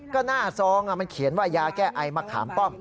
ก็หน้าซองมันเขียนว่ายาแก้ไอมะขามป้อม